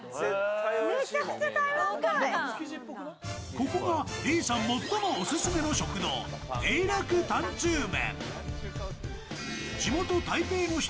ここが李さん最もオススメの食堂、永楽坦仔麺。